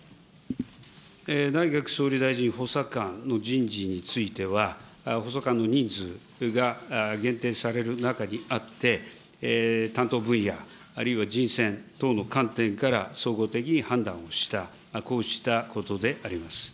内閣総理大臣補佐官の人事については、補佐官の人数が限定される中にあって、担当分野、あるいは人選等の観点から、総合的に判断をした、こうしたことであります。